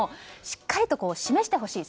しっかりと示してほしい。